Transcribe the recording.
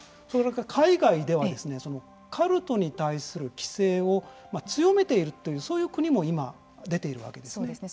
海外では、カルトに対する規制を強めているというそういう国も出ているわけですよね。